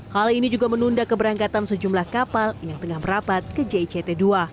hal ini juga menunda keberangkatan sejumlah kapal yang tengah merapat ke jict dua